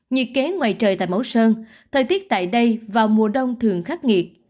nhiệt kế ngoài trời tại mẫu sơn thời tiết tại đây vào mùa đông thường khắc nghiệt